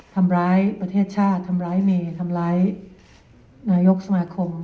ทำร้ายประเทศชาตรทำร้ายเมร์ทำร้ายนายกสมคม